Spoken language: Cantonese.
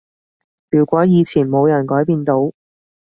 如果以前冇人改變到